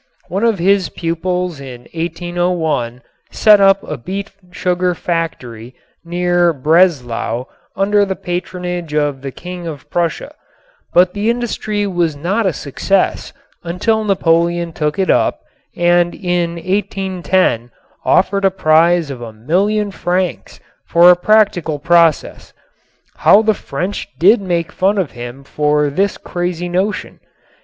One of his pupils in 1801 set up a beet sugar factory near Breslau under the patronage of the King of Prussia, but the industry was not a success until Napoleon took it up and in 1810 offered a prize of a million francs for a practical process. How the French did make fun of him for this crazy notion!